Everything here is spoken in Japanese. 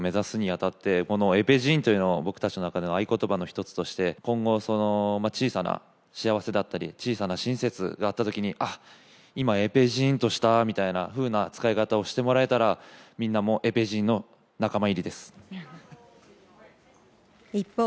今回の東京を目指すに当たって、エペジーンというのを僕たちの合言葉の一つとして、今後、小さな幸せ小さな親切があった時に、エペジーンとしたみたいな使い方をしてもらえたら、みんなもエペジーンの仲間入りです。